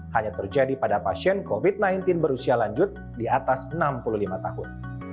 hanya terjadi pada pasien covid sembilan belas berusia lanjut di atas enam puluh lima tahun